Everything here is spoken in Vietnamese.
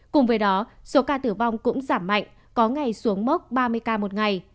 cùng với đó số ca tử vong cũng giảm mạnh có ngày xuống mốc ba mươi ca một ngày